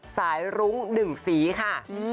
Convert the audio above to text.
สายรุ้งหนึ่งสีค่ะ